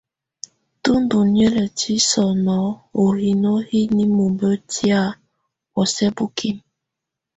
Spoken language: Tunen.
Tù ndù niǝlǝtiǝ́ sɔnɔ ú hino hi ninumbǝ tɛ̀á bǝsuǝ bǝkimǝ.